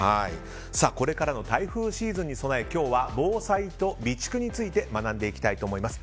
これからの台風シーズンに備え今日は防災と備蓄について学んでいきたいと思います。